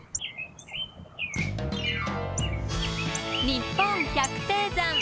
「にっぽん百低山」。